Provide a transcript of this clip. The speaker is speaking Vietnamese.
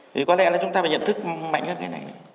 thì có lẽ là chúng ta phải nhận thức mạnh hơn cái này